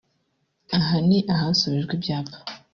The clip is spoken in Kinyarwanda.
Aha ni ahasubijwe ibyapa